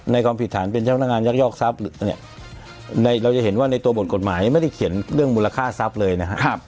ความผิดฐานเป็นเจ้าพนักงานยักยอกทรัพย์เนี่ยเราจะเห็นว่าในตัวบทกฎหมายไม่ได้เขียนเรื่องมูลค่าทรัพย์เลยนะครับ